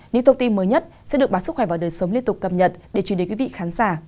những thông tin mới nhất sẽ được báo sức khỏe và đời sống liên tục cập nhật để truyền đến quý vị khán giả